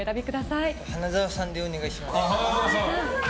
花澤さんでお願いします。